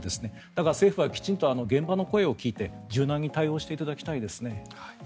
だから政府はきちんと現場の声を聞いて柔軟に対応していただきたいですね。